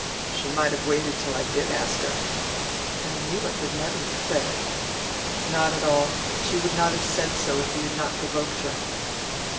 "She might have waited till I did ask her." "I knew it would nettle you, Fred." "Not at all. She would not have said so if you had not provoked her."